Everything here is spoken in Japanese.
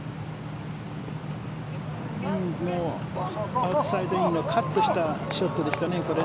アウトサイドインはカットしたショットでしたね。